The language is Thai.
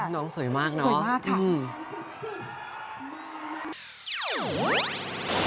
น้องสวยมากเนอะสวยมากค่ะสวยมาก